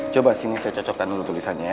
coba sini saya cocokkan dulu tulisannya